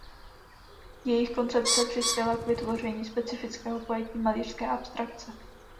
Jejich koncepce přispěla k vytvoření specifického pojetí malířské abstrakce.